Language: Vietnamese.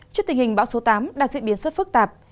trước tình hình bão số tám đang diễn biến rất phức tạp